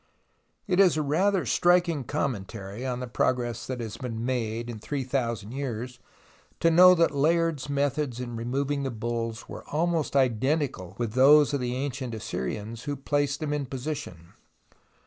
It is rather a striking commentary on the progress that has been made in three thousand years, to know that Layard's methods in removing the bulls were almost identical with those of the ancient Assyrians who placed them in position.